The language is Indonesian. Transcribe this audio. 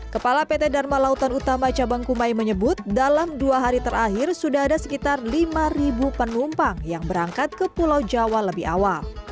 kepala pt dharma lautan utama cabang kumai menyebut dalam dua hari terakhir sudah ada sekitar lima penumpang yang berangkat ke pulau jawa lebih awal